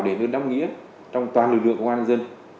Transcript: để đơn đáp nghĩa trong toàn lực lượng công an dân